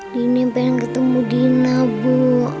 dini pengen ketemu dina bu